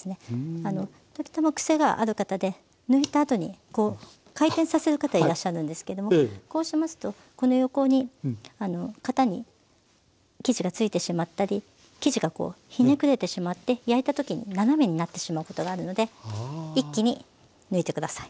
時たま癖がある方で抜いたあとにこう回転させる方いらっしゃるんですけどもこうしますとこの横に型に生地がついてしまったり生地がひねくれてしまって焼いたときに斜めになってしまうことがあるので一気に抜いて下さい。